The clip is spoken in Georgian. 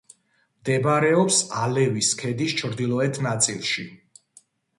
მდებარეობს ალევის ქედის ჩრდილოეთ ნაწილში.